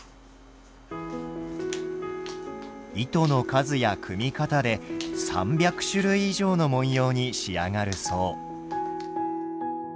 糸の数や組み方で３００種類以上の文様に仕上がるそう。